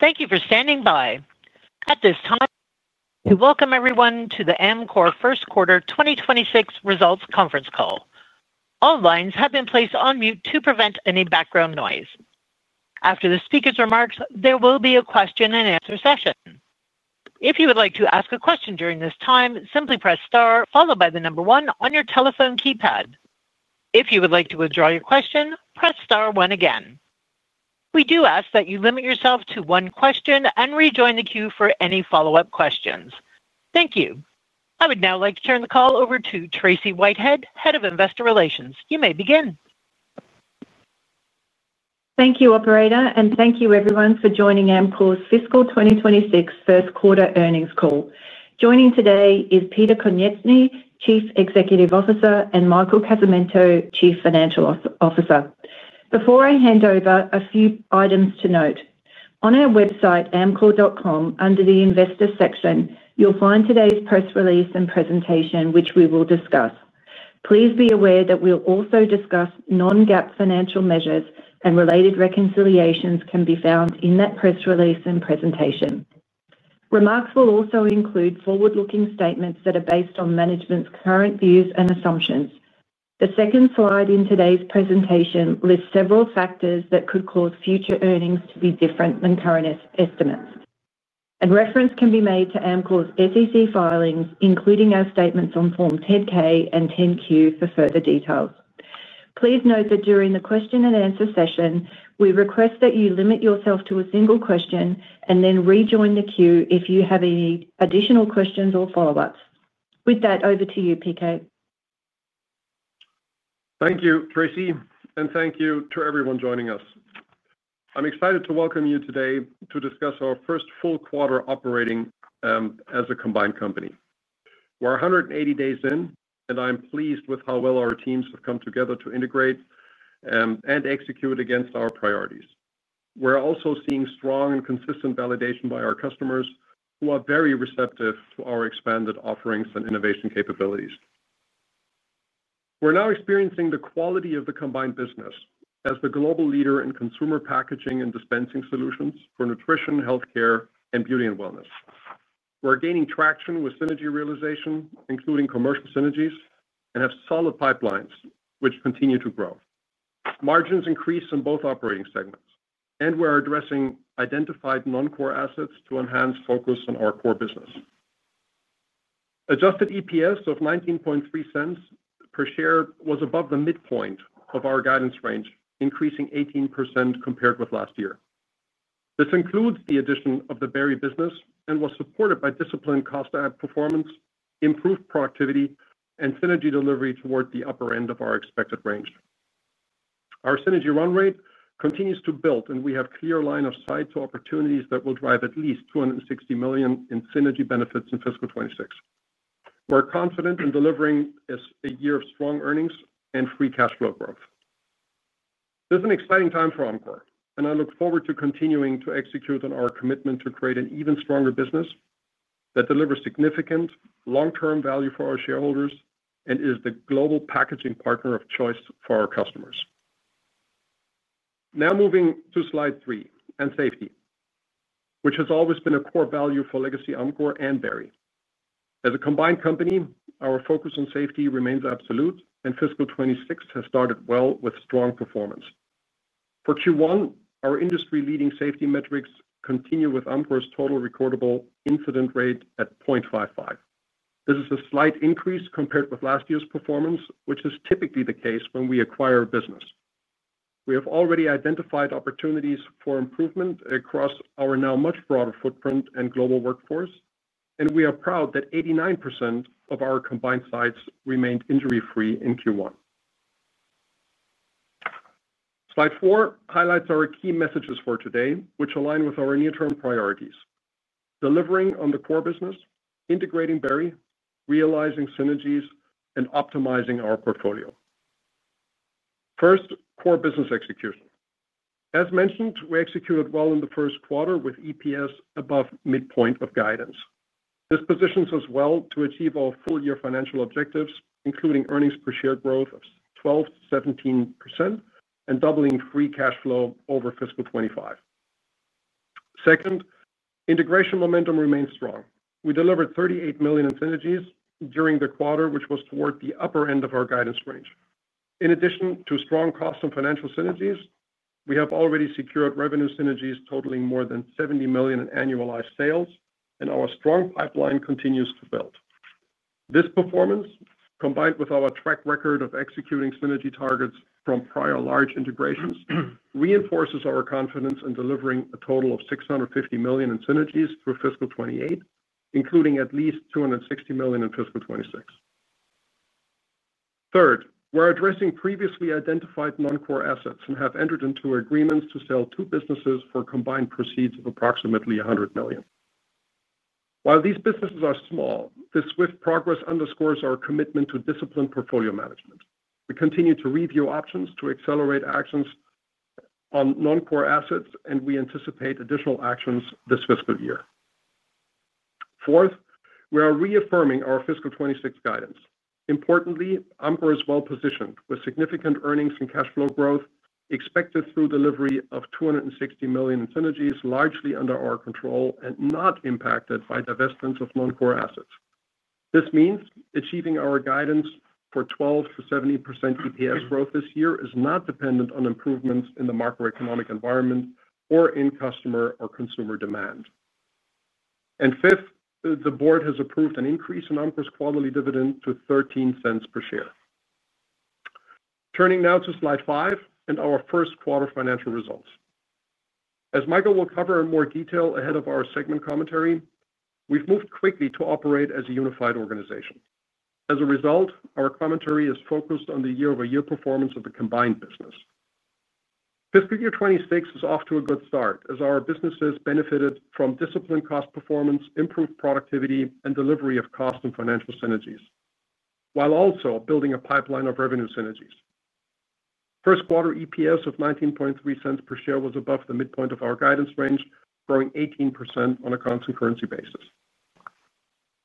Thank you for standing by. At this time, we welcome everyone to the Amcor first quarter 2026 results conference call. All lines have been placed on mute to prevent any background noise. After the speaker's remarks, there will be a question-and-answer session. If you would like to ask a question during this time, simply press star followed by the number one on your telephone keypad. If you would like to withdraw your question, press star one again. We do ask that you limit yourself to one question and rejoin the queue for any follow-up questions. Thank you. I would now like to turn the call over to Tracey Whitehead, Head of Investor Relations. You may begin. Thank you, Operator, and thank you, everyone, for joining Amcor's fiscal 2026 first quarter earnings call. Joining today is Peter Konieczny, Chief Executive Officer, and Michael Casamento, Chief Financial Officer. Before I hand over, a few items to note. On our website, amcor.com, under the Investor section, you'll find today's press release and presentation, which we will discuss. Please be aware that we'll also discuss non-GAAP financial measures, and related reconciliations can be found in that press release and presentation. Remarks will also include forward-looking statements that are based on management's current views and assumptions. The second slide in today's presentation lists several factors that could cause future earnings to be different than current estimates. A reference can be made to Amcor's SEC filings, including our statements on Form 10-K and 10-Q for further details. Please note that during the question-and-answer session, we request that you limit yourself to a single question and then rejoin the queue if you have any additional questions or follow-ups. With that, over to you, PK. Thank you, Tracey, and thank you to everyone joining us. I'm excited to welcome you today to discuss our first full quarter operating as a combined company. We're 180 days in, and I'm pleased with how well our teams have come together to integrate and execute against our priorities. We're also seeing strong and consistent validation by our customers, who are very receptive to our expanded offerings and innovation capabilities. We're now experiencing the quality of the combined business as the global leader in consumer packaging and dispensing solutions for nutrition, healthcare, and beauty and wellness. We're gaining traction with synergy realization, including commercial synergies, and have solid pipelines, which continue to grow. Margins increase in both operating segments, and we're addressing identified non-core assets to enhance focus on our core business. Adjusted EPS of $0.193 per share was above the midpoint of our guidance range, increasing 18% compared with last year. This includes the addition of the Berry business and was supported by disciplined cost and performance, improved productivity, and synergy delivery toward the upper end of our expected range. Our synergy run rate continues to build, and we have a clear line of sight to opportunities that will drive at least $260 million in synergy benefits in fiscal 2026. We're confident in delivering a year of strong earnings and free cash flow growth. This is an exciting time for Amcor, and I look forward to continuing to execute on our commitment to create an even stronger business. That delivers significant long-term value for our shareholders and is the global packaging partner of choice for our customers. Now moving to slide three and safety, which has always been a core value for legacy Amcor and Berry. As a combined company, our focus on safety remains absolute, and fiscal 2026 has started well with strong performance. For Q1, our industry-leading safety metrics continue with Amcor's total recordable incident rate at 0.55. This is a slight increase compared with last year's performance, which is typically the case when we acquire a business. We have already identified opportunities for improvement across our now much broader footprint and global workforce, and we are proud that 89% of our combined sites remained injury-free in Q1. Slide four highlights our key messages for today, which align with our near-term priorities: delivering on the core business, integrating Berry, realizing synergies, and optimizing our portfolio. First, core business execution. As mentioned, we executed well in the first quarter with EPS above midpoint of guidance. This positions us well to achieve our full-year financial objectives, including earnings per share growth of 12%-17% and doubling free cash flow over fiscal 2025. Second, integration momentum remains strong. We delivered $38 million in synergies during the quarter, which was toward the upper end of our guidance range. In addition to strong cost and financial synergies, we have already secured revenue synergies totaling more than $70 million in annualized sales, and our strong pipeline continues to build. This performance, combined with our track record of executing synergy targets from prior large integrations, reinforces our confidence in delivering a total of $650 million in synergies through fiscal 2028, including at least $260 million in fiscal 2026. Third, we're addressing previously identified non-core assets and have entered into agreements to sell two businesses for combined proceeds of approximately $100 million. While these businesses are small, this swift progress underscores our commitment to disciplined portfolio management. We continue to review options to accelerate actions on non-core assets, and we anticipate additional actions this fiscal year. Fourth, we are reaffirming our fiscal 2026 guidance. Importantly, Amcor is well positioned with significant earnings and cash flow growth expected through delivery of $260 million in synergies, largely under our control and not impacted by divestments of non-core assets. This means achieving our guidance for 12%-70% EPS growth this year is not dependent on improvements in the macroeconomic environment or in customer or consumer demand. Fifth, the board has approved an increase in Amcor's quarterly dividend to $0.13 per share. Turning now to slide five and our first quarter financial results. As Michael will cover in more detail ahead of our segment commentary, we have moved quickly to operate as a unified organization. As a result, our commentary is focused on the year-over-year performance of the combined business. fiscal year 2026 is off to a good start as our businesses benefited from disciplined cost performance, improved productivity, and delivery of cost and financial synergies, while also building a pipeline of revenue synergies. First quarter EPS of $0.193 per share was above the midpoint of our guidance range, growing 18% on a constant currency basis.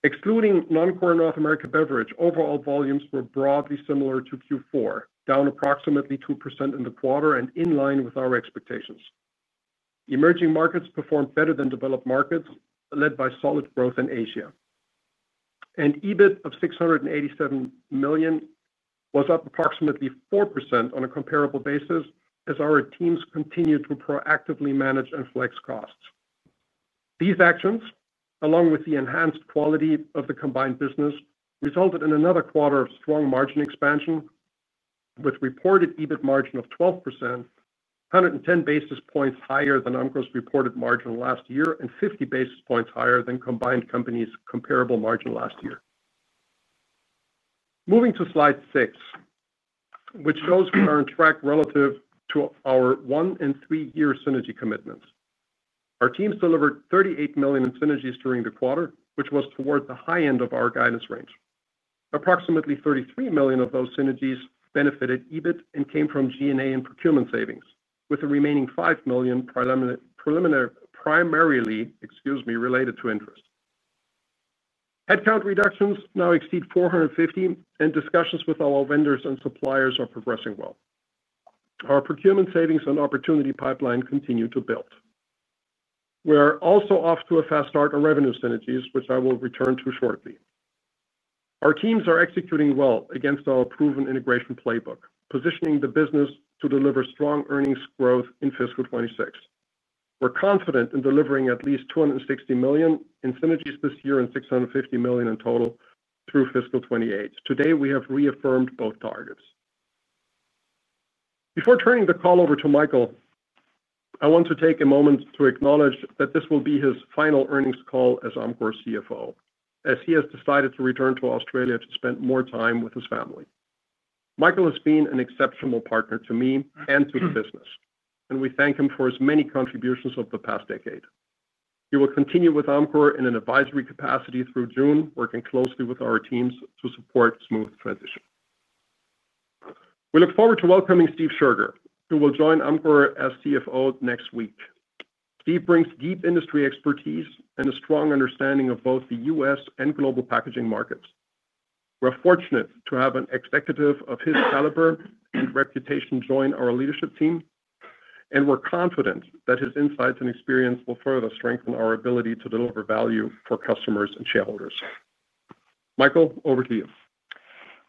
Excluding non-core North American beverage, overall volumes were broadly similar to Q4, down approximately 2% in the quarter and in line with our expectations. Emerging markets performed better than developed markets, led by solid growth in Asia. EBIT of $687 million. Was up approximately 4% on a comparable basis as our teams continued to proactively manage and flex costs. These actions, along with the enhanced quality of the combined business, resulted in another quarter of strong margin expansion, with reported EBIT margin of 12%, 110 basis points higher than Amcor's reported margin last year and 50 basis points higher than combined companies' comparable margin last year. Moving to slide six, which shows we are on track relative to our one and three-year synergy commitments. Our teams delivered $38 million in synergies during the quarter, which was toward the high end of our guidance range. Approximately $33 million of those synergies benefited EBIT and came from G&A and procurement savings, with the remaining $5 million primarily, excuse me, related to interest. Headcount reductions now exceed 450, and discussions with our vendors and suppliers are progressing well. Our procurement savings and opportunity pipeline continue to build. We're also off to a fast start on revenue synergies, which I will return to shortly. Our teams are executing well against our proven integration playbook, positioning the business to deliver strong earnings growth in fiscal 2026. We're confident in delivering at least $260 million in synergies this year and $650 million in total through fiscal 2028. Today, we have reaffirmed both targets. Before turning the call over to Michael, I want to take a moment to acknowledge that this will be his final earnings call as Amcor's CFO, as he has decided to return to Australia to spend more time with his family. Michael has been an exceptional partner to me and to the business, and we thank him for his many contributions of the past decade. He will continue with Amcor in an advisory capacity through June, working closely with our teams to support a smooth transition. We look forward to welcoming Steve Scherger who will join Amcor as CFO next week. Steve brings deep industry expertise and a strong understanding of both the U.S. and global packaging markets. We're fortunate to have an executive of his caliber and reputation join our leadership team, and we're confident that his insights and experience will further strengthen our ability to deliver value for customers and shareholders. Michael, over to you.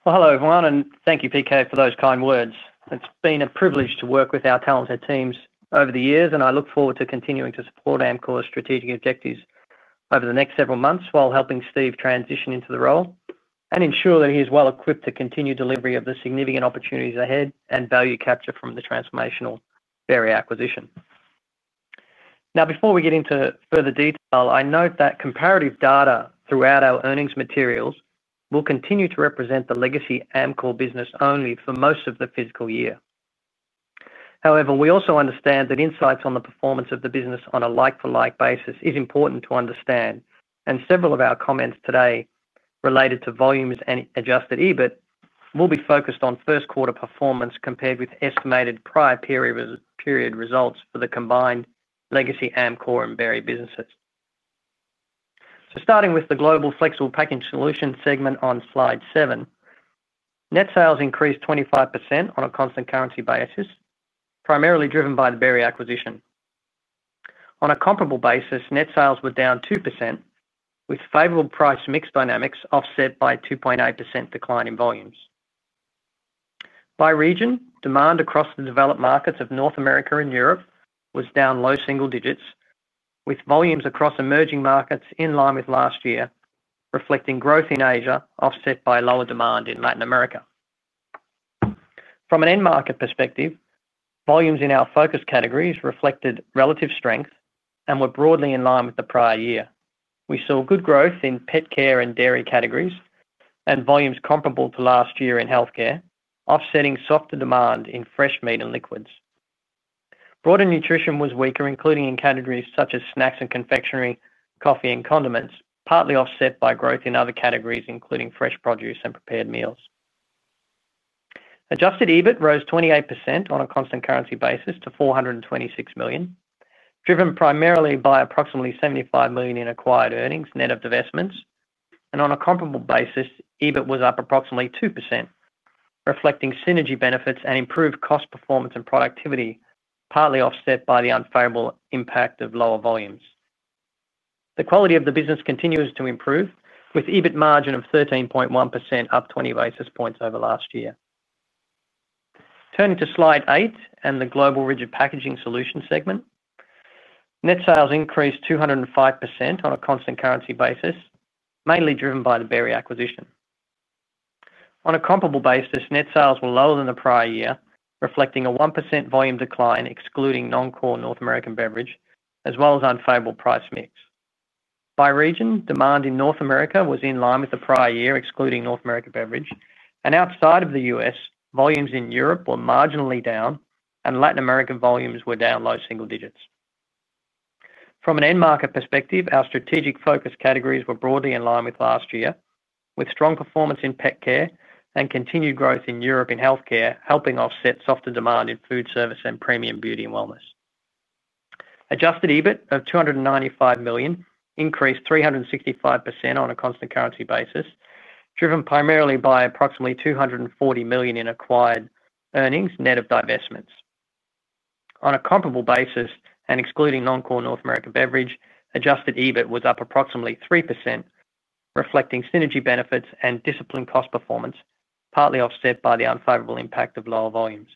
Hello everyone, and thank you, PK, for those kind words. It's been a privilege to work with our talented teams over the years, and I look forward to continuing to support Amcor's strategic objectives over the next several months while helping Steve transition into the role and ensure that he is well equipped to continue delivery of the significant opportunities ahead and value capture from the transformational Berry acquisition. Now, before we get into further detail, I note that comparative data throughout our earnings materials will continue to represent the legacy Amcor business only for most of the fiscal year. However, we also understand that insights on the performance of the business on a like-for-like basis is important to understand, and several of our comments today related to volumes and adjusted EBIT will be focused on first quarter performance compared with estimated prior period results for the combined legacy Amcor and Berry businesses. Starting with the global flexible packaging solutions segment on slide seven. Net sales increased 25% on a constant currency basis, primarily driven by the Berry acquisition. On a comparable basis, net sales were down 2%, with favorable price mix dynamics offset by a 2.8% decline in volumes. By region, demand across the developed markets of North America and Europe was down low single digits, with volumes across emerging markets in line with last year, reflecting growth in Asia, offset by lower demand in Latin America. From an end market perspective, volumes in our focus categories reflected relative strength and were broadly in line with the prior year. We saw good growth in pet care and dairy categories and volumes comparable to last year in healthcare, offsetting softer demand in fresh meat and liquids. Broader nutrition was weaker, including in categories such as snacks and confectionery, coffee, and condiments, partly offset by growth in other categories, including fresh produce and prepared meals. Adjusted EBIT rose 28% on a constant currency basis to $426 million, driven primarily by approximately $75 million in acquired earnings net of divestments. On a comparable basis, EBIT was up approximately 2%. Reflecting synergy benefits and improved cost performance and productivity, partly offset by the unfavorable impact of lower volumes. The quality of the business continues to improve, with EBIT margin of 13.1% up 20 basis points over last year. Turning to slide eight and the global rigid packaging solution segment. Net sales increased 205% on a constant currency basis, mainly driven by the Berry acquisition. On a comparable basis, net sales were lower than the prior year, reflecting a 1% volume decline excluding non-core North American beverage, as well as unfavorable price mix. By region, demand in North America was in line with the prior year, excluding North American beverage. Outside of the U.S., volumes in Europe were marginally down, and Latin American volumes were down low single digits. From an end market perspective, our strategic focus categories were broadly in line with last year, with strong performance in pet care and continued growth in Europe in healthcare, helping offset softer demand in food service and premium beauty and wellness. Adjusted EBIT of $295 million increased 365% on a constant currency basis, driven primarily by approximately $240 million in acquired earnings net of divestments. On a comparable basis, and excluding non-core North American beverage, adjusted EBIT was up approximately 3%. Reflecting synergy benefits and disciplined cost performance, partly offset by the unfavorable impact of lower volumes.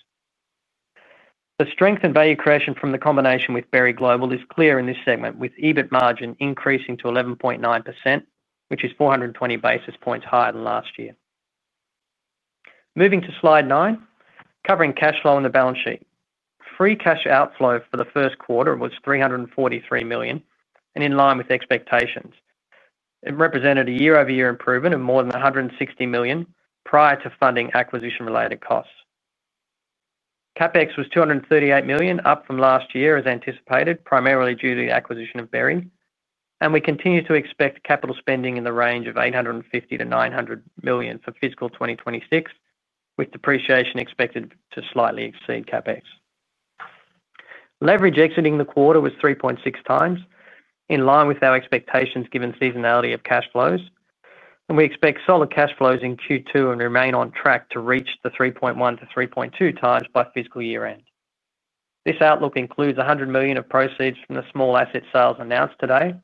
The strength and value creation from the combination with Berry Global is clear in this segment, with EBIT margin increasing to 11.9%, which is 420 basis points higher than last year. Moving to slide nine, covering cash flow on the balance sheet. Free cash outflow for the first quarter was $343 million, and in line with expectations. It represented a year-over-year improvement of more than $160 million prior to funding acquisition-related costs. CapEx was $238 million, up from last year as anticipated, primarily due to the acquisition of Berry. We continue to expect capital spending in the range of $850 million-$900 million for fiscal 2026, with depreciation expected to slightly exceed CapEx. Leverage exiting the quarter was 3.6x, in line with our expectations given seasonality of cash flows. We expect solid cash flows in Q2 and remain on track to reach the 3.1x-3.2x by fiscal year-end. This outlook includes $100 million of proceeds from the small asset sales announced today,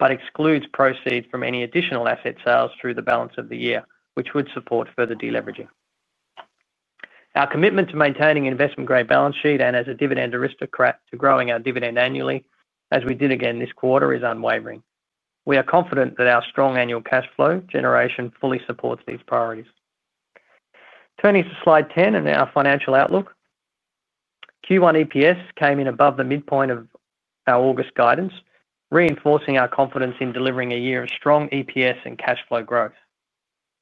but excludes proceeds from any additional asset sales through the balance of the year, which would support further deleveraging. Our commitment to maintaining an investment-grade balance sheet and as a dividend aristocrat to growing our dividend annually, as we did again this quarter, is unwavering. We are confident that our strong annual cash flow generation fully supports these priorities. Turning to slide 10 and our financial outlook. Q1 EPS came in above the midpoint of our August guidance, reinforcing our confidence in delivering a year of strong EPS and cash flow growth.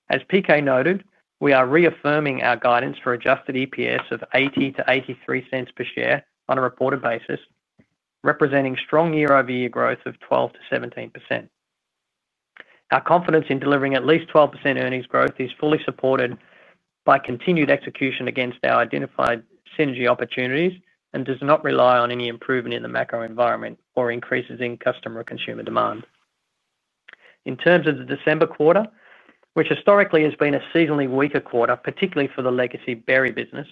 As PK noted, we are reaffirming our guidance for adjusted EPS of $0.80-$0.83 per share on a reported basis, representing strong year-over-year growth of 12%-17%. Our confidence in delivering at least 12% earnings growth is fully supported by continued execution against our identified synergy opportunities and does not rely on any improvement in the macro environment or increases in customer or consumer demand. In terms of the December quarter, which historically has been a seasonally weaker quarter, particularly for the legacy Berry business,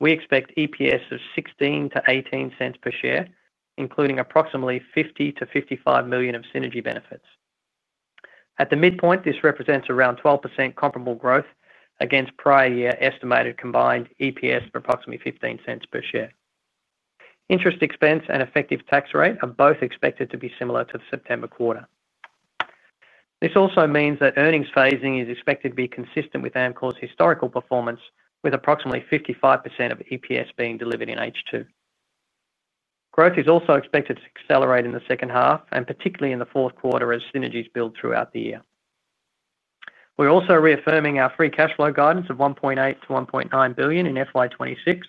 we expect EPS of $0.16-$0.18 per share, including approximately $50 million-$55 million of synergy benefits. At the midpoint, this represents around 12% comparable growth against prior-year estimated combined EPS of approximately $0.15 per share. Interest expense and effective tax rate are both expected to be similar to the September quarter. This also means that earnings phasing is expected to be consistent with Amcor's historical performance, with approximately 55% of EPS being delivered in H2. Growth is also expected to accelerate in the second half and particularly in the fourth quarter as synergies build throughout the year. We're also reaffirming our free cash flow guidance of $1.8 billion-$1.9 billion in FY 2026,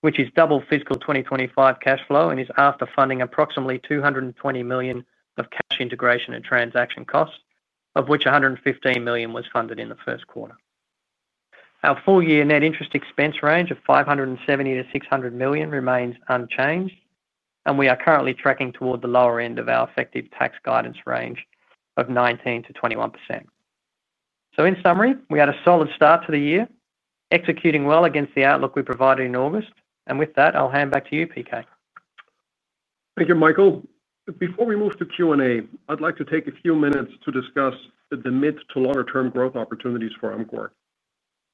which is double fiscal 2025 cash flow and is after funding approximately $220 million of cash integration and transaction costs, of which $115 million was funded in the first quarter. Our full-year net interest expense range of $570 million-$600 million remains unchanged, and we are currently tracking toward the lower end of our effective tax guidance range of 19%-21%. In summary, we had a solid start to the year, executing well against the outlook we provided in August. With that, I'll hand back to you, PK. Thank you, Michael. Before we move to Q&A, I'd like to take a few minutes to discuss the mid to longer-term growth opportunities for Amcor.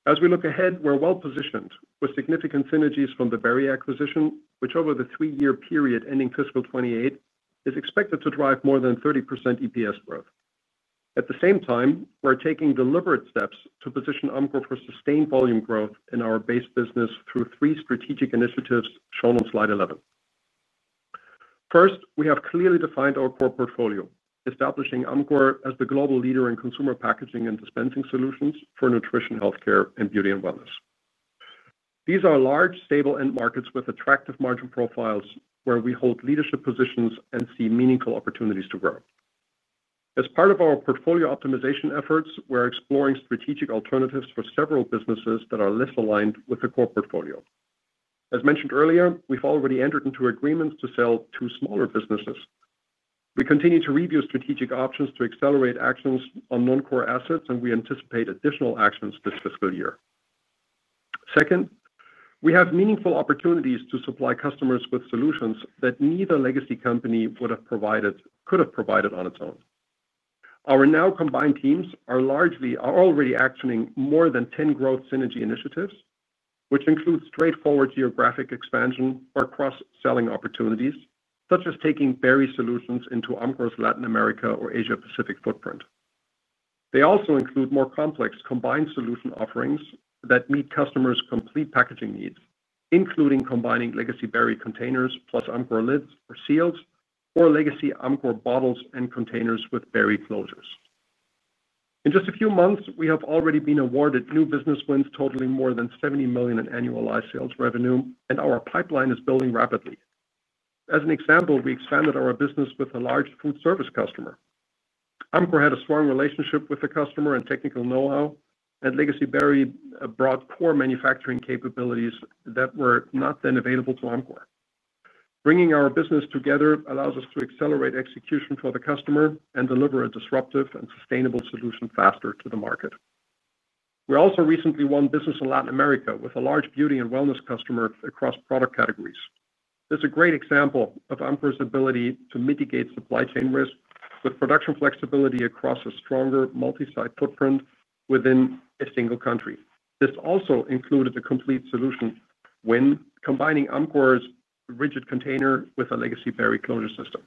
As we look ahead, we're well positioned with significant synergies from the Berry acquisition, which over the three-year period ending fiscal 2028 is expected to drive more than 30% EPS growth. At the same time, we're taking deliberate steps to position Amcor for sustained volume growth in our base business through three strategic initiatives shown on slide 11. First, we have clearly defined our core portfolio, establishing Amcor as the global leader in consumer packaging and dispensing solutions for nutrition, healthcare, and beauty and wellness. These are large, stable end markets with attractive margin profiles where we hold leadership positions and see meaningful opportunities to grow. As part of our portfolio optimization efforts, we're exploring strategic alternatives for several businesses that are less aligned with the core portfolio. As mentioned earlier, we've already entered into agreements to sell two smaller businesses. We continue to review strategic options to accelerate actions on non-core assets, and we anticipate additional actions this fiscal year. Second, we have meaningful opportunities to supply customers with solutions that neither legacy company could have provided on its own. Our now combined teams are already actioning more than 10 growth synergy initiatives, which include straightforward geographic expansion for cross-selling opportunities, such as taking Berry solutions into Amcor's Latin America or Asia-Pacific footprint. They also include more complex combined solution offerings that meet customers' complete packaging needs, including combining legacy Berry containers plus Amcor lids or seals or legacy Amcor bottles and containers with Berry closures. In just a few months, we have already been awarded new business wins totaling more than $70 million in annualized sales revenue, and our pipeline is building rapidly. As an example, we expanded our business with a large food service customer. Amcor had a strong relationship with the customer and technical know-how, and legacy Berry brought core manufacturing capabilities that were not then available to Amcor. Bringing our business together allows us to accelerate execution for the customer and deliver a disruptive and sustainable solution faster to the market. We also recently won business in Latin America with a large beauty and wellness customer across product categories. This is a great example of Amcor's ability to mitigate supply chain risk with production flexibility across a stronger multi-site footprint within a single country. This also included a complete solution when combining Amcor's rigid container with a legacy Berry closure system.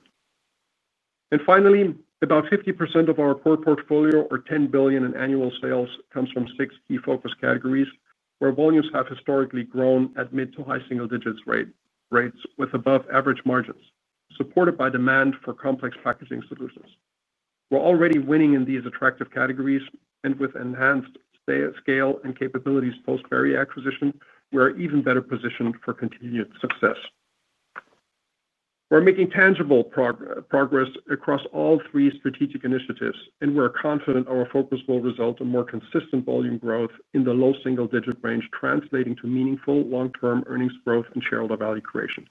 Finally, about 50% of our core portfolio, or $10 billion in annual sales, comes from six key focus categories where volumes have historically grown at mid to high single digit rates with above-average margins, supported by demand for complex packaging solutions. We are already winning in these attractive categories, and with enhanced scale and capabilities post-Berry acquisition, we are even better positioned for continued success. We are making tangible progress across all three strategic initiatives, and we are confident our focus will result in more consistent volume growth in the low single digit range, translating to meaningful long-term earnings growth and shareholder value creation.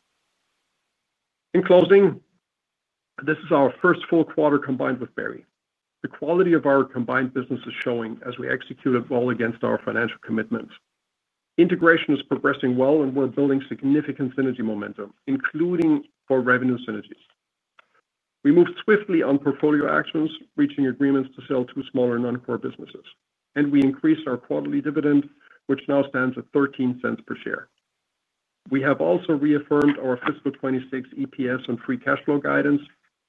In closing, this is our first full quarter combined with Berry. The quality of our combined business is showing as we execute well against our financial commitments. Integration is progressing well, and we are building significant synergy momentum, including for revenue synergies. We moved swiftly on portfolio actions, reaching agreements to sell two smaller non-core businesses. We increased our quarterly dividend, which now stands at $0.13 per share. We have also reaffirmed our fiscal 2026 EPS and free cash flow guidance,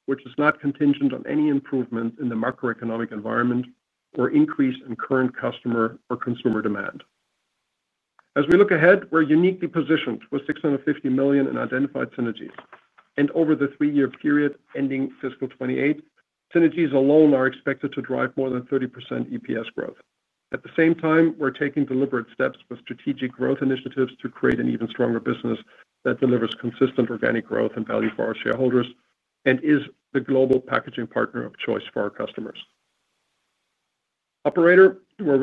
which is not contingent on any improvement in the macroeconomic environment or increase in current customer or consumer demand. As we look ahead, we are uniquely positioned with $650 million in identified synergies. Over the three-year period ending fiscal 2028, synergies alone are expected to drive more than 30% EPS growth. At the same time, we are taking deliberate steps with strategic growth initiatives to create an even stronger business that delivers consistent organic growth and value for our shareholders and is the global packaging partner of choice for our customers. Operator, we are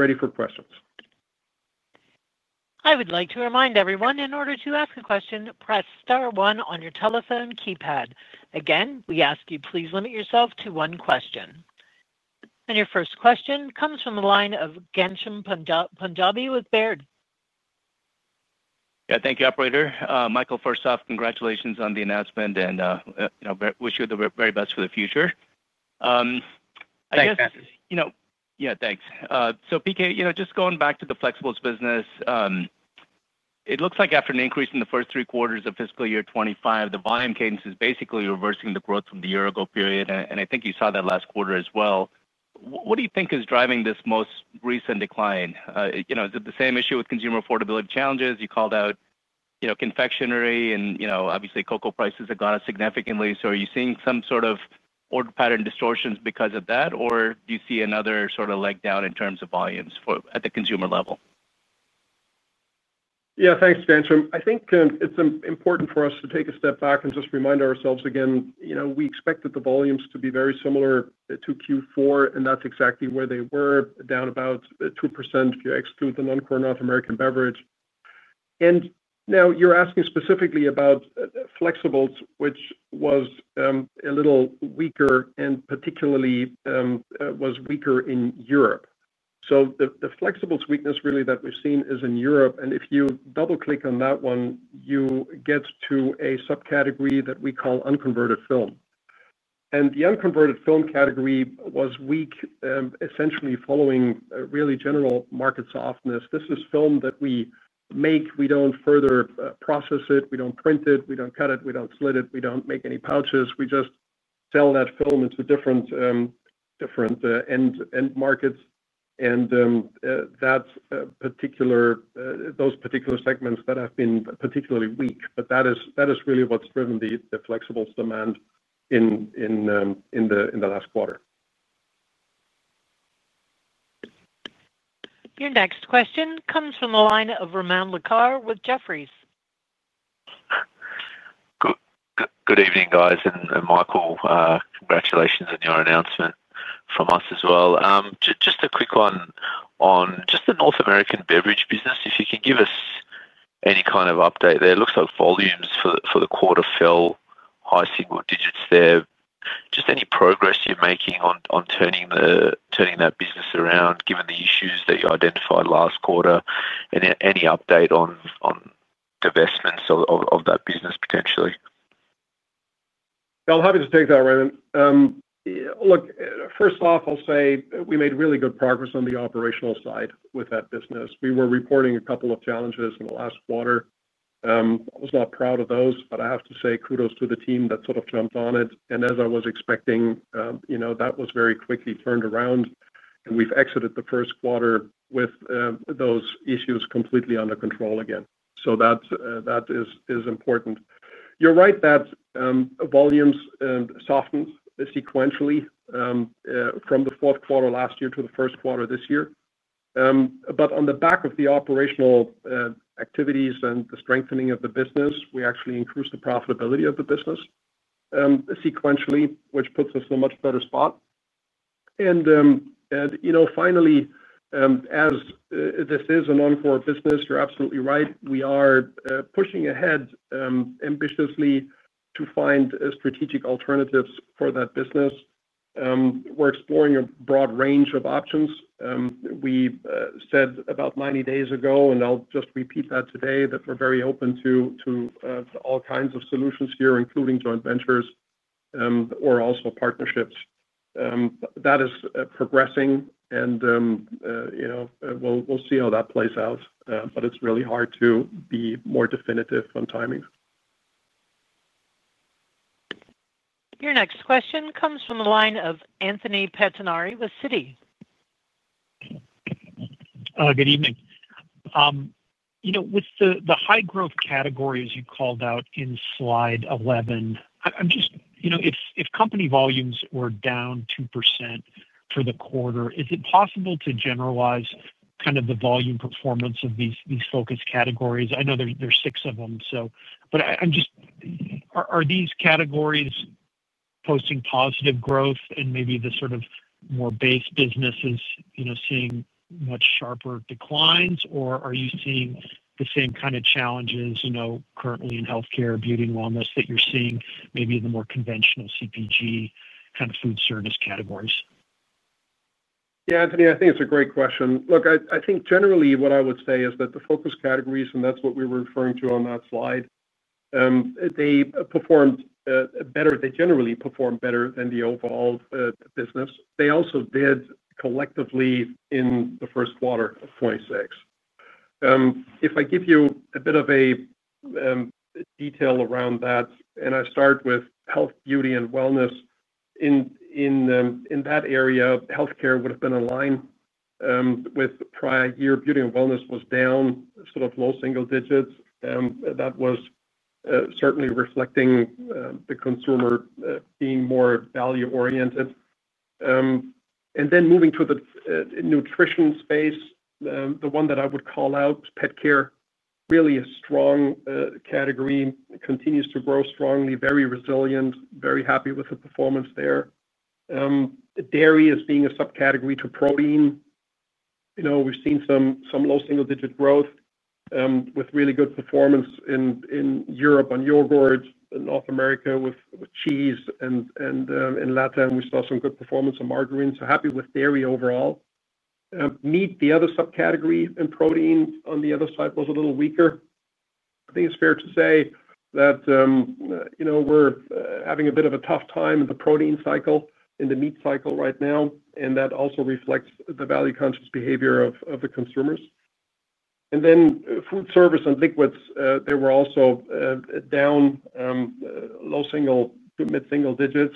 ready for questions. I would like to remind everyone, in order to ask a question, press star one on your telephone keypad. Again, we ask you, please limit yourself to one question. Your first question comes from the line of Ghansham Panjabi with Baird. Yeah, thank you, Operator. Michael, first off, congratulations on the announcement, and wish you the very best for the future. Thanks. Yeah, thanks. PK, just going back to the flexibles business. It looks like after an increase in the first three quarters of fiscal year 2025, the volume cadence is basically reversing the growth from the year-ago period. I think you saw that last quarter as well. What do you think is driving this most recent decline? Is it the same issue with consumer affordability challenges you called out? Confectionery and obviously cocoa prices have gone up significantly. Are you seeing some sort of order pattern distortions because of that, or do you see another sort of leg down in terms of volumes at the consumer level? Yeah, thanks, Ghansham. I think it's important for us to take a step back and just remind ourselves again. We expected the volumes to be very similar to Q4, and that's exactly where they were, down about 2% if you exclude the non-core North American beverage. Now you're asking specifically about flexibles, which was a little weaker and particularly was weaker in Europe. The flexibles weakness really that we've seen is in Europe. If you double-click on that one, you get to a subcategory that we call unconverted film. The unconverted film category was weak essentially following really general market softness. This is film that we make. We don't further process it. We don't print it. We don't cut it. We don't slit it. We don't make any pouches. We just sell that film into different end markets. Those particular segments that have been particularly weak. That is really what's driven the flexibles demand in the last quarter. Your next question comes from the line of Ramoun Lazar with Jefferies. Good evening, guys. Michael, congratulations on your announcement from us as well. Just a quick one on just the North American beverage business, if you can give us any kind of update there. It looks like volumes for the quarter fell high single digits there. Just any progress you're making on turning that business around, given the issues that you identified last quarter, and any update on investments of that business potentially? I'm happy to take that, Ramoun. Look, first off, I'll say we made really good progress on the operational side with that business. We were reporting a couple of challenges in the last quarter. I was not proud of those, but I have to say kudos to the team that sort of jumped on it. As I was expecting, that was very quickly turned around. We've exited the first quarter with those issues completely under control again. That is important. You're right that volumes softened sequentially from the fourth quarter last year to the first quarter this year. On the back of the operational activities and the strengthening of the business, we actually increased the profitability of the business sequentially, which puts us in a much better spot. Finally, as this is a non-core business, you're absolutely right. We are pushing ahead. Ambitiously to find strategic alternatives for that business. We're exploring a broad range of options. We said about 90 days ago, and I'll just repeat that today, that we're very open to all kinds of solutions here, including joint ventures or also partnerships. That is progressing, and we'll see how that plays out. It's really hard to be more definitive on timing. Your next question comes from the line of Anthony Pettinari with Citi. Good evening. With the high growth category, as you called out in slide 11, I'm just, if company volumes were down 2% for the quarter, is it possible to generalize kind of the volume performance of these focus categories? I know there's six of them, but are these categories posting positive growth and maybe the sort of more base businesses seeing much sharper declines, or are you seeing the same kind of challenges currently in healthcare, beauty and wellness that you're seeing maybe in the more conventional CPG kind of food service categories? Yeah, Anthony, I think it's a great question. Look, I think generally what I would say is that the focus categories, and that's what we were referring to on that slide, they performed better. They generally performed better than the overall business. They also did collectively in the first quarter of 2026. If I give you a bit of a detail around that, and I start with health, beauty, and wellness, in that area, healthcare would have been in line with prior year, beauty and wellness was down, sort of low single digits. That was certainly reflecting the consumer being more value-oriented. Moving to the nutrition space, the one that I would call out, pet care, really a strong category, continues to grow strongly, very resilient, very happy with the performance there. Dairy is being a subcategory to protein. We've seen some low single digit growth. With really good performance in Europe on yogurt, in North America with cheese, and in Latin, we saw some good performance on margarine. Happy with dairy overall. Meat, the other subcategory in protein on the other side, was a little weaker. I think it's fair to say that. We're having a bit of a tough time in the protein cycle, in the meat cycle right now, and that also reflects the value-conscious behavior of the consumers. Food service and liquids, they were also down. Low single to mid single digits.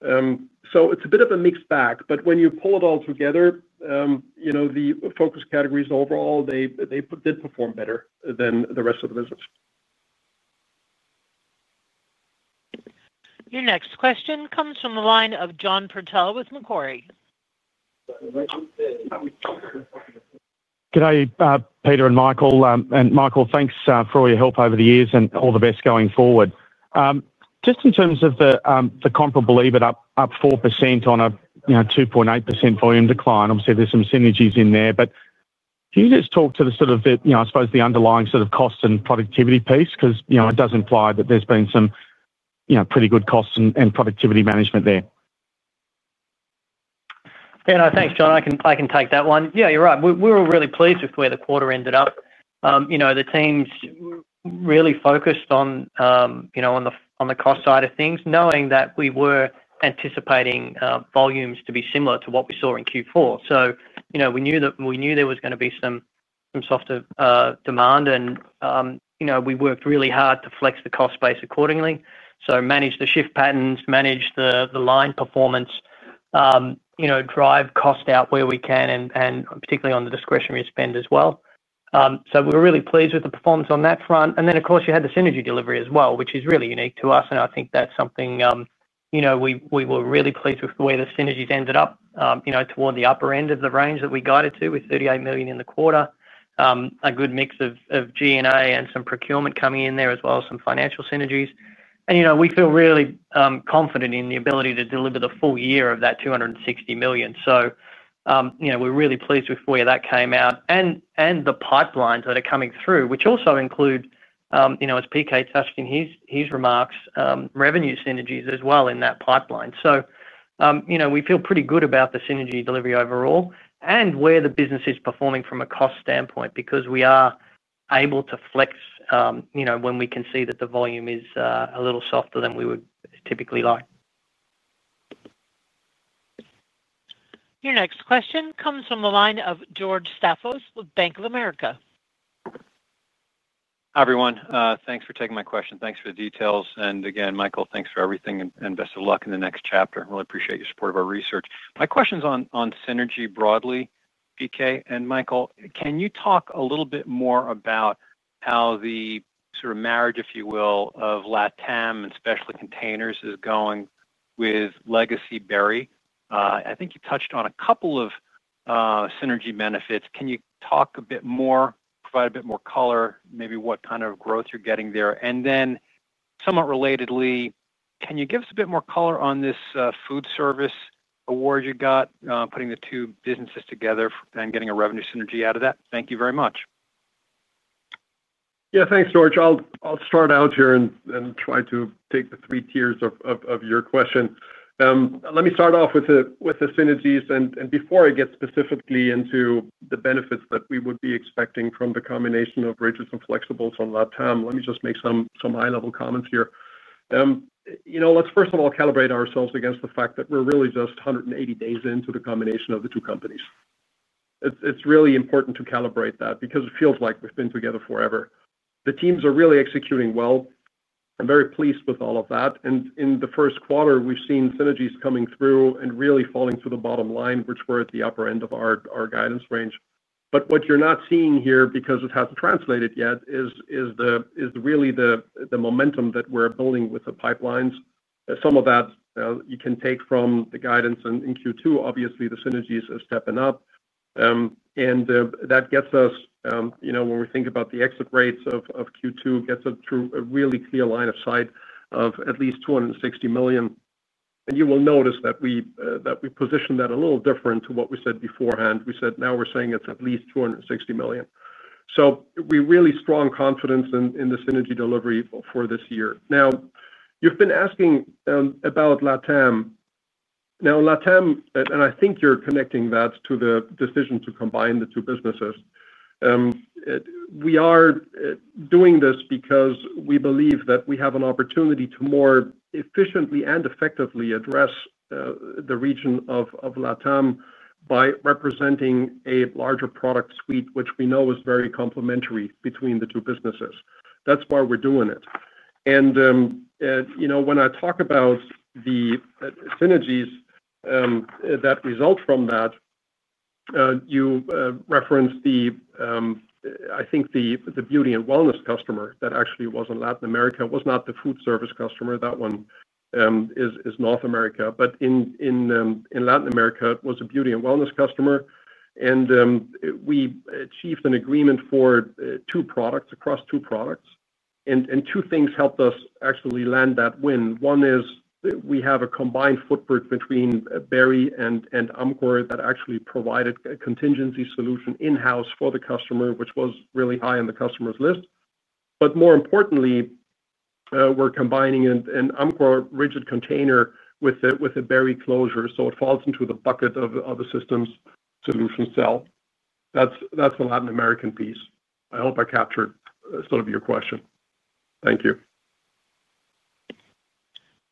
It's a bit of a mixed bag. When you pull it all together, the focus categories overall, they did perform better than the rest of the business. Your next question comes from the line of John Purtell with Macquarie. Good day, Peter and Michael. And Michael, thanks for all your help over the years and all the best going forward. Just in terms of the comparable, but up 4% on a 2.8% volume decline. Obviously, there's some synergies in there. Can you just talk to the sort of, I suppose, the underlying sort of cost and productivity piece? Because it does imply that there's been some pretty good cost and productivity management there. Yeah, no, thanks, John. I can take that one. Yeah, you're right. We were really pleased with where the quarter ended up. The teams really focused on the cost side of things, knowing that we were anticipating volumes to be similar to what we saw in Q4. We knew there was going to be some softer demand. We worked really hard to flex the cost base accordingly, manage the shift patterns, manage the line performance, drive cost out where we can, and particularly on the discretionary spend as well. We were really pleased with the performance on that front. Of course, you had the synergy delivery as well, which is really unique to us. I think that's something. We were really pleased with the way the synergies ended up toward the upper end of the range that we guided to with $38 million in the quarter. A good mix of G&A and some procurement coming in there as well, some financial synergies. We feel really confident in the ability to deliver the full year of that $260 million. We are really pleased with where that came out and the pipelines that are coming through, which also include, as PK touched in his remarks, revenue synergies as well in that pipeline. We feel pretty good about the synergy delivery overall and where the business is performing from a cost standpoint because we are able to flex when we can see that the volume is a little softer than we would typically like. Your next question comes from the line of George Staphos with Bank of America. Hi, everyone. Thanks for taking my question. Thanks for the details. And again, Michael, thanks for everything and best of luck in the next chapter. Really appreciate your support of our research. My question's on synergy broadly, PK and Michael. Can you talk a little bit more about how the sort of marriage, if you will, of Latam and specialty containers is going with Legacy Berry? I think you touched on a couple of synergy benefits. Can you talk a bit more, provide a bit more color, maybe what kind of growth you're getting there? And then somewhat relatedly, can you give us a bit more color on this food service award you got, putting the two businesses together and getting a revenue synergy out of that? Thank you very much. Yeah, thanks, George. I'll start out here and try to take the three tiers of your question. Let me start off with the synergies. Before I get specifically into the benefits that we would be expecting from the combination of Rigid and Flexible on LatAm, let me just make some high-level comments here. Let's first of all calibrate ourselves against the fact that we're really just 180 days into the combination of the two companies. It's really important to calibrate that because it feels like we've been together forever. The teams are really executing well. I'm very pleased with all of that. In the first quarter, we've seen synergies coming through and really falling to the bottom line, which were at the upper end of our guidance range. What you're not seeing here, because it hasn't translated yet, is really the momentum that we're building with the pipelines. Some of that you can take from the guidance. In Q2, obviously, the synergies are stepping up. That gets us, when we think about the exit rates of Q2, to a really clear line of sight of at least $260 million. You will notice that we positioned that a little different to what we said beforehand. We said, "Now we're saying it's at least $260 million." We have really strong confidence in the synergy delivery for this year. You've been asking about Latam. Latam, and I think you're connecting that to the decision to combine the two businesses. We are doing this because we believe that we have an opportunity to more efficiently and effectively address the region of LatAm by representing a larger product suite, which we know is very complementary between the two businesses. That is why we are doing it. When I talk about the synergies that result from that, you referenced, I think, the beauty and wellness customer that actually was in Latin America. It was not the food service customer. That one is North America. In Latin America, it was a beauty and wellness customer. We achieved an agreement for two products across two products. Two things helped us actually land that win. One is we have a combined footprint between Berry and Amcor that actually provided a contingency solution in-house for the customer, which was really high on the customer's list. More importantly. We're combining an Amcor rigid container with a Berry closure. It falls into the bucket of the systems solution cell. That's the Latin American piece. I hope I captured sort of your question. Thank you.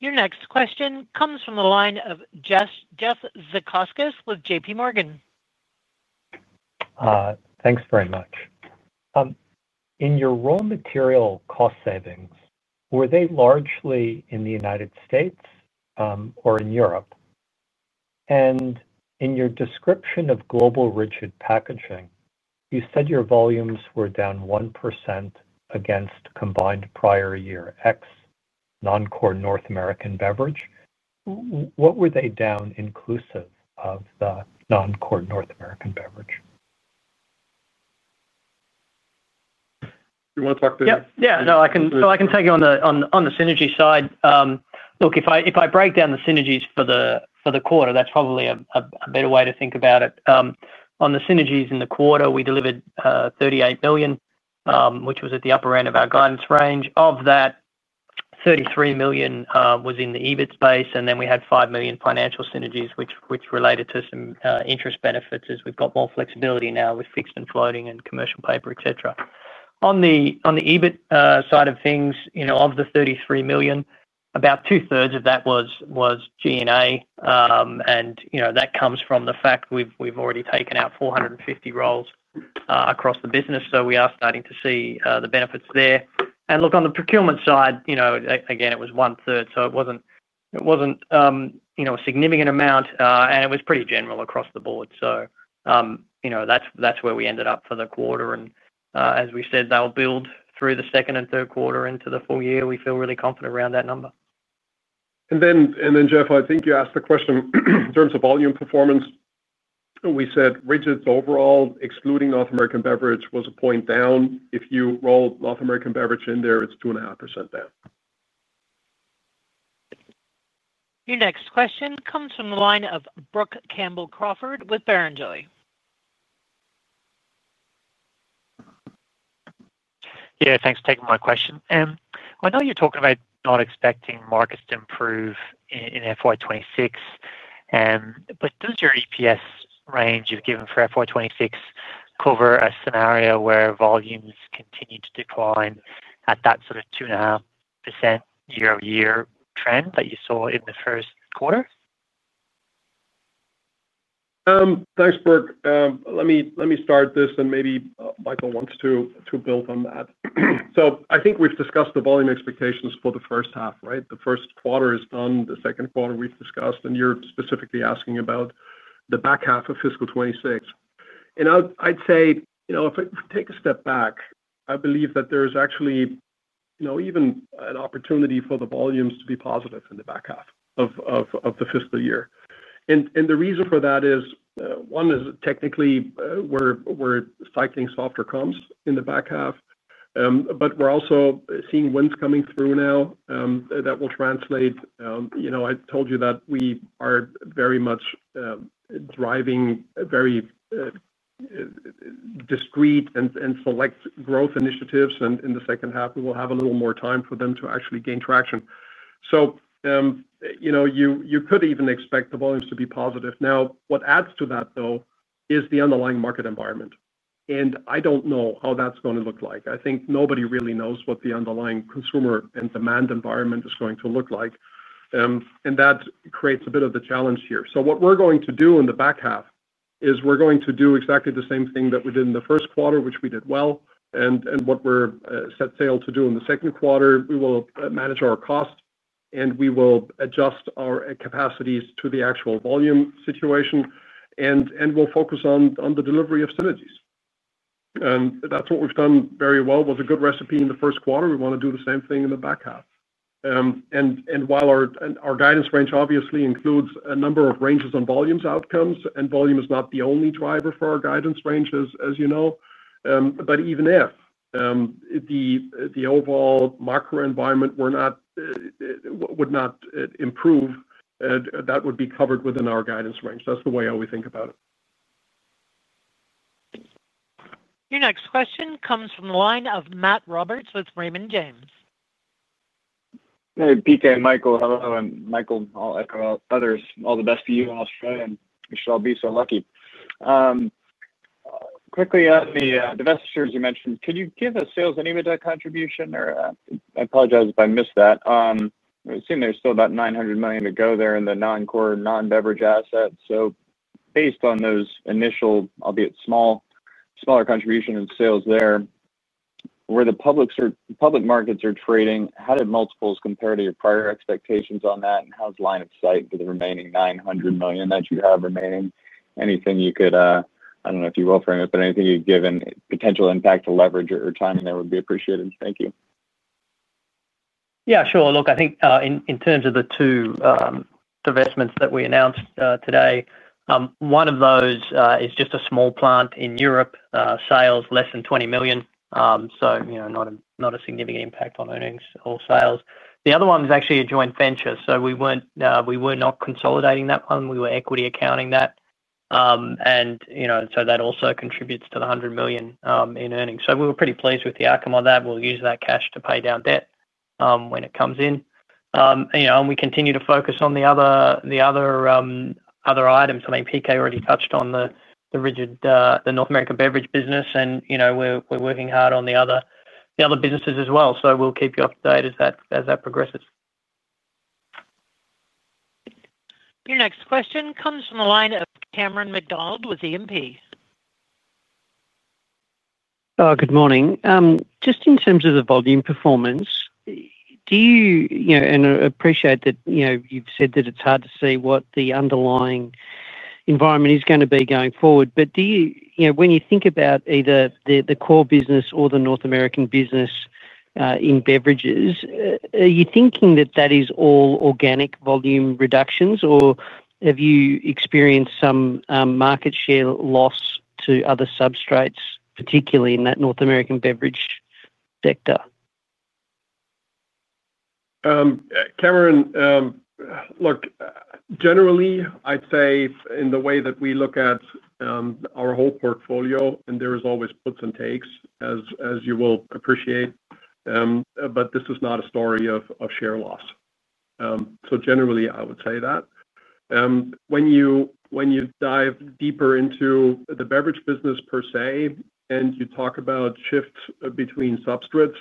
Your next question comes from the line of Jeff Zajkowski with JPMorgan. Thanks very much. In your raw material cost savings, were they largely in the United States or in Europe? In your description of global rigid packaging, you said your volumes were down 1% against combined prior year X non-core North American beverage. What were they down inclusive of the non-core North American beverage? Do you want to talk to? Yeah, no, I can take you on the synergy side. Look, if I break down the synergies for the quarter, that's probably a better way to think about it. On the synergies in the quarter, we delivered $38 million, which was at the upper end of our guidance range. Of that, $33 million was in the EBIT space. Then we had $5 million financial synergies, which related to some interest benefits as we've got more flexibility now with fixed and floating and commercial paper, etc. On the EBIT side of things, of the $33 million, about two-thirds of that was G&A. That comes from the fact we've already taken out 450 roles across the business. We are starting to see the benefits there. On the procurement side, again, it was one-third. It was not a significant amount. It was pretty general across the board. That's where we ended up for the quarter. As we said, that will build through the second and third quarter into the full year. We feel really confident around that number. Jeff, I think you asked the question in terms of volume performance. We said Rigid overall, excluding North American beverage, was a point down. If you roll North American beverage in there, it is 2.5% down. Your next question comes from the line of Brook Campbell-Crawford with Barrenjoey. Yeah, thanks for taking my question. I know you're talking about not expecting markets to improve in FY 2026. Does your EPS range you've given for FY 2026 cover a scenario where volumes continue to decline at that sort of 2.5% year-over-year trend that you saw in the first quarter? Thanks, Brook. Let me start this, and maybe Michael wants to build on that. I think we've discussed the volume expectations for the first half, right? The first quarter is done. The second quarter we've discussed. You're specifically asking about the back half of fiscal 2026. I'd say if we take a step back, I believe that there is actually even an opportunity for the volumes to be positive in the back half of the fiscal year. The reason for that is, one, is technically we're cycling softer comps in the back half. We're also seeing wins coming through now that will translate. I told you that we are very much driving very discrete and select growth initiatives. In the second half, we will have a little more time for them to actually gain traction. You could even expect the volumes to be positive. Now, what adds to that, though, is the underlying market environment. I do not know how that is going to look like. I think nobody really knows what the underlying consumer and demand environment is going to look like. That creates a bit of the challenge here. What we are going to do in the back half is we are going to do exactly the same thing that we did in the first quarter, which we did well. What we are set sail to do in the second quarter, we will manage our costs, and we will adjust our capacities to the actual volume situation. We will focus on the delivery of synergies. That is what we have done very well. It was a good recipe in the first quarter. We want to do the same thing in the back half. Our guidance range obviously includes a number of ranges on volumes outcomes, and volume is not the only driver for our guidance ranges, as you know. Even if the overall macro environment would not improve, that would be covered within our guidance range. That's the way I always think about it. Your next question comes from the line of Matt Roberts with Raymond James. Hey, PK and Michael, hello. Michael, I'll echo others. All the best to you and Australia. You should all be so lucky. Quickly, on the investors you mentioned, can you give a sales and EBITDA contribution? I apologize if I missed that. I assume there's still about $900 million to go there in the non-core, non-beverage assets. Based on those initial, albeit small, smaller contributions in sales there, where the public markets are trading, how did multiples compare to your prior expectations on that? How's line of sight for the remaining $900 million that you have remaining? Anything you could, I don't know if you will frame it, but anything you'd give in potential impact to leverage or timing there would be appreciated. Thank you. Yeah, sure. Look, I think in terms of the two investments that we announced today, one of those is just a small plant in Europe, sales less than $20 million. Not a significant impact on earnings or sales. The other one was actually a joint venture. We were not consolidating that one. We were equity accounting that. That also contributes to the $100 million in earnings. We were pretty pleased with the outcome of that. We'll use that cash to pay down debt when it comes in. We continue to focus on the other items. I think PK already touched on the North American beverage business. We're working hard on the other businesses as well. We'll keep you up to date as that progresses. Your next question comes from the line of Cameron McDonald with E&P. Good morning. Just in terms of the volume performance. I appreciate that you've said that it's hard to see what the underlying environment is going to be going forward. When you think about either the core business or the North American business, in beverages, are you thinking that that is all organic volume reductions, or have you experienced some market share loss to other substrates, particularly in that North American beverage sector? Look, generally, I'd say in the way that we look at our whole portfolio, and there are always puts and takes, as you will appreciate. This is not a story of share loss. Generally, I would say that when you dive deeper into the beverage business per se and you talk about shifts between substrates,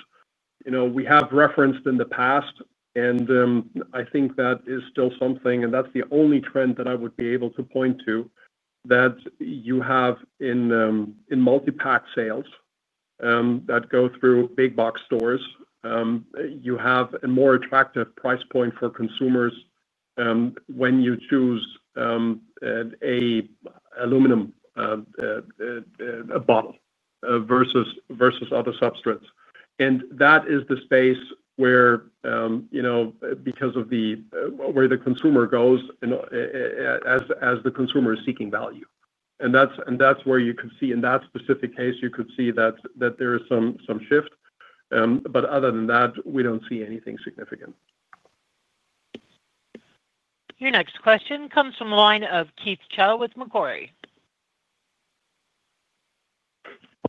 we have referenced in the past, and I think that is still something. That is the only trend that I would be able to point to, that you have in multi-pack sales that go through big box stores. You have a more attractive price point for consumers when you choose an aluminum bottle versus other substrates. That is the space where, because of where the consumer goes, as the consumer is seeking value. That's where you could see, in that specific case, you could see that there is some shift. Other than that, we don't see anything significant. Your next question comes from the line of Keith Chau with Macquarie.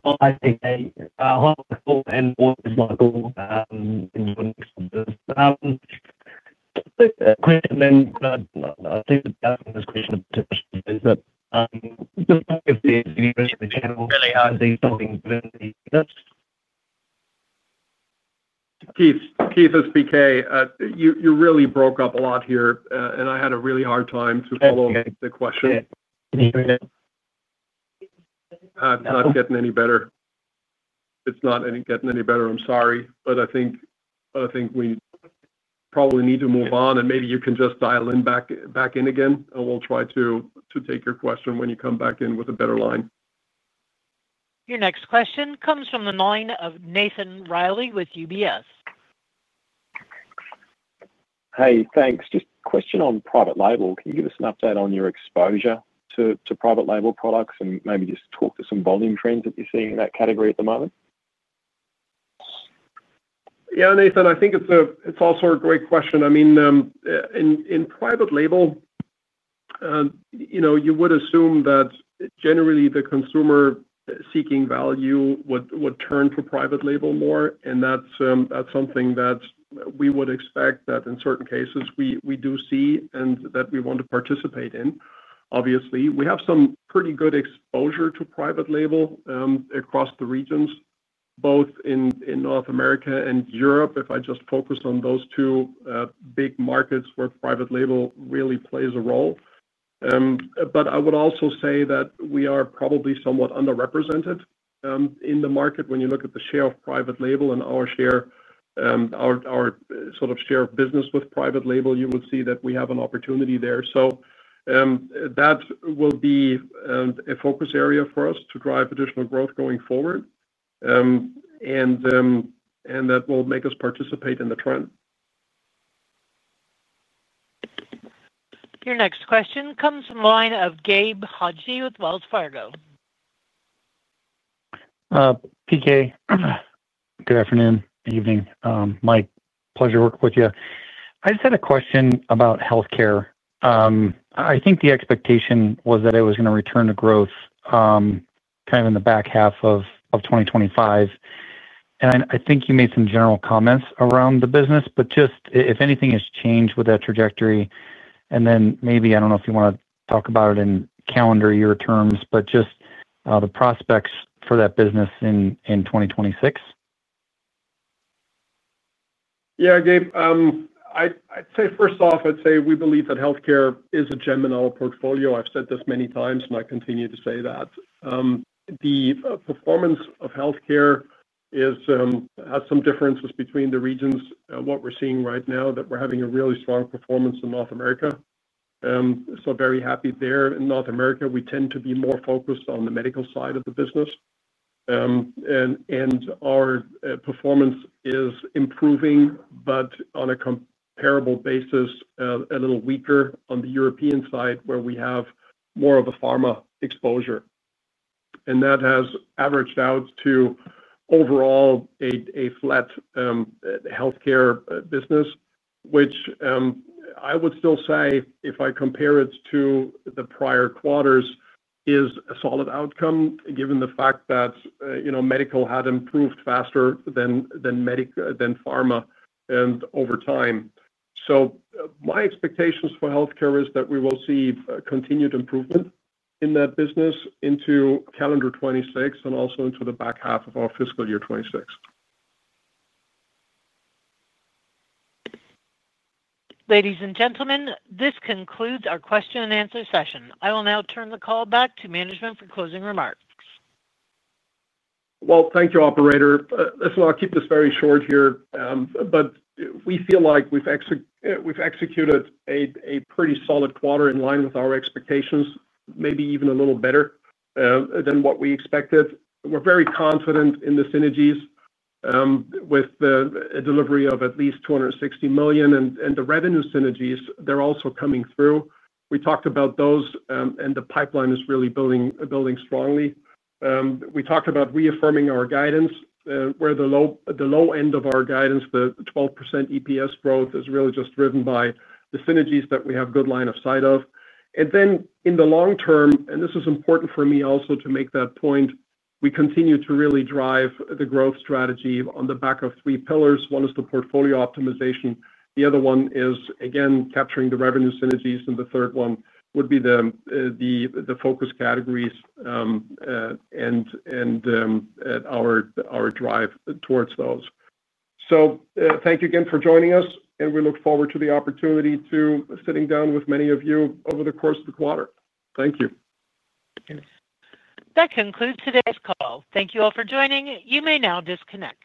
You really broke up a lot here, and I had a really hard time to follow up with the question. I'm not getting any better. It's not getting any better. I'm sorry. I think we probably need to move on. Maybe you can just dial back in again, and we'll try to take your question when you come back in with a better line. Your next question comes from the line of Nathan Reilly with UBS. Hey, thanks. Just a question on private label. Can you give us an update on your exposure to private label products and maybe just talk to some volume trends that you're seeing in that category at the moment? Yeah, Nathan, I think it's also a great question. I mean, in private label, you would assume that generally the consumer seeking value would turn to private label more. That's something that we would expect, that in certain cases we do see and that we want to participate in. Obviously, we have some pretty good exposure to private label across the regions, both in North America and Europe. If I just focus on those two big markets where private label really plays a role, I would also say that we are probably somewhat underrepresented in the market. When you look at the share of private label and our sort of share of business with private label, you will see that we have an opportunity there. That will be a focus area for us to drive additional growth going forward. That will make us participate in the trend. Your next question comes from the line of Gabe Hajde with Wells Fargo. Good afternoon. Good evening. My pleasure to work with you. I just had a question about health care. I think the expectation was that it was going to return to growth kind of in the back half of 2025. I think you made some general comments around the business, but just if anything has changed with that trajectory. Maybe, I do not know if you want to talk about it in calendar year terms, but just the prospects for that business in 2026. Yeah, Gabe. I'd say, first off, I'd say we believe that healthcare is a gem in our portfolio. I've said this many times, and I continue to say that. The performance of healthcare has some differences between the regions. What we're seeing right now is that we're having a really strong performance in North America. Very happy there. In North America, we tend to be more focused on the medical side of the business. Our performance is improving, but on a comparable basis, a little weaker on the European side, where we have more of a pharma exposure. That has averaged out to overall a flat healthcare business, which I would still say, if I compare it to the prior quarters, is a solid outcome given the fact that medical had improved faster than pharma over time. My expectations for health care are that we will see continued improvement in that business into calendar 2026 and also into the back half of our fiscal year 2026. Ladies and gentlemen, this concludes our question and answer session. I will now turn the call back to management for closing remarks. Thank you, operator. Listen, I'll keep this very short here. We feel like we've executed a pretty solid quarter in line with our expectations, maybe even a little better than what we expected. We're very confident in the synergies, with a delivery of at least $260 million. The revenue synergies, they're also coming through. We talked about those, and the pipeline is really building strongly. We talked about reaffirming our guidance, where the low end of our guidance, the 12% EPS growth, is really just driven by the synergies that we have good line of sight of. In the long term, and this is important for me also to make that point, we continue to really drive the growth strategy on the back of three pillars. One is the portfolio optimization. The other one is, again, capturing the revenue synergies. The third one would be the focus categories and our drive towards those. Thank you again for joining us. We look forward to the opportunity to sit down with many of you over the course of the quarter. Thank you. That concludes today's call. Thank you all for joining. You may now disconnect.